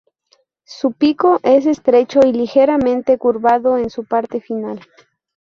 Su pico es estrecho y ligeramente curvado en su parte final.